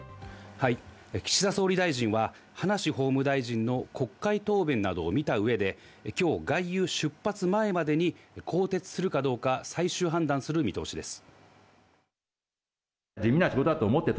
はい、岸田総理大臣は葉梨法務大臣の国会答弁などを見た上で、今日、外遊出発前までに更迭するかどうか最終判断する見通しです。